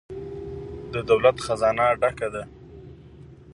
د دولت خزانه ډکه ده؟